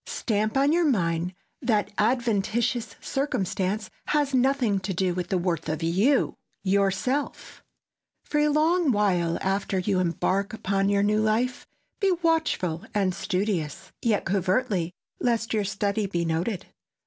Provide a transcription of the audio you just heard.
Stamp on your mind that adventitious circumstance has nothing to do with the worth of YOU, YOURSELF! For a long while after you embark upon your new life, be watchful and studious—yet covertly, lest your study be noted.